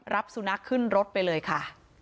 รับสุนัขขึ้นรถไปเลยค่ะ